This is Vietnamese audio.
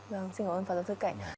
xin cảm ơn pháp giáo sư cảnh